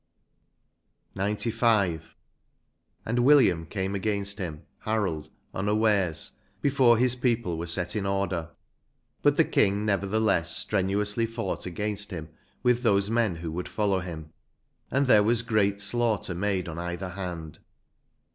190 XCV. ".... and William came against him (Harold) unawares, before his people were set in order. But the King, nevertheless, strenuously fought against him with those men who would follow him; and there was great slaughter made on either hand.